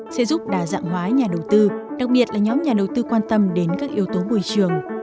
sẽ giúp đa dạng hóa nhà đầu tư đặc biệt là nhóm nhà đầu tư quan tâm đến các yếu tố môi trường